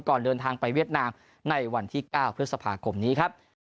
ก่อนเดินทางไปเวียดนามในวันที่๙พฤษภาคมนี้ครับ